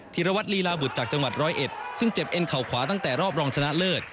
ธรวัตลีลาบุตรจากจังหวัดร้อยเอ็ดซึ่งเจ็บเอ็นเข่าขวาตั้งแต่รอบรองชนะเลิศ